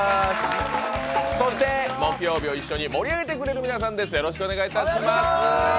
木曜日を一緒に盛り上げてくれる皆さんです。